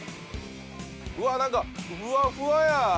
うわっなんかふわふわや！